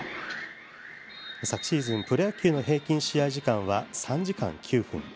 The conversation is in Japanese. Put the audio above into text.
昨シーズン、プロ野球の平均試合時間は３時間９分。